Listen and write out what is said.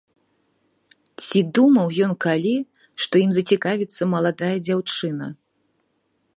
Ці думаў ён калі, што ім зацікавіцца маладая дзяўчына!